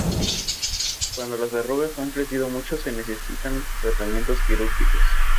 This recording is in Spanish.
Cuando las verrugas han crecido mucho se necesitan tratamientos quirúrgicos.